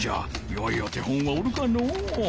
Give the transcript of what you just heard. よいお手本はおるかのう。